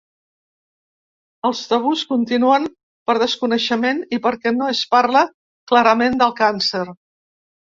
Els tabús continuen per desconeixement i perquè no es parla clarament del càncer.